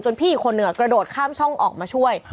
จนพี่เขาเนี่ยครับกระโดดข้ามช่องออกมาช่วย